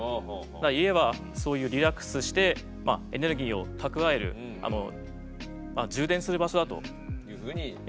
家はそういうリラックスしてエネルギーを蓄える充電する場所だと気が付いて。